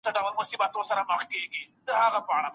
باور کول د انسان د بریا لومړی ګړۍ ده.